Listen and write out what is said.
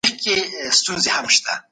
پوهانو تل د سياست په اړه ليکنې کړي دي.